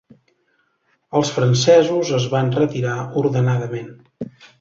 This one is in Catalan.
Els francesos es van retirar ordenadament.